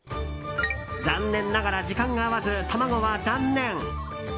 残念ながら時間が合わず玉子は断念。